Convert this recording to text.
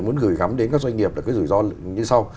muốn gửi gắm đến các doanh nghiệp là cái rủi ro như sau